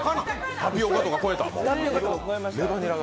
タピオカとか超えました。